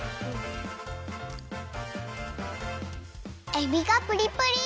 えびがプリプリ！